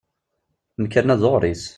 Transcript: Amkan-a d uɣris.